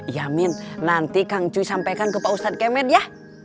ya min nanti kang encuy sampaikan ke pak ustadz kemet ya